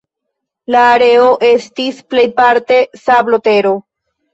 La areo estis plejparte sablotero.